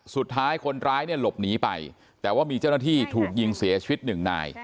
สุดท้ายคนร้ายเนี่ยหลบหนีไปแต่ว่ามีเจ้าหน้าที่ถูกยิงเสียชีวิตหนึ่งนาย